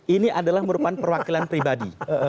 ini adalah merupakan perwakilan pribadi